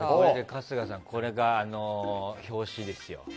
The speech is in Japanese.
春日さんこれが表紙ですよ。